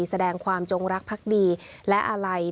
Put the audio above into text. แสดงความจงรักพรรคดีและอะไลน์